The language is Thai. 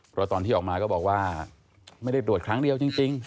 เพราะตอนที่ออกมาก็บอกว่าไม่ได้ตรวจครั้งเดียวจริง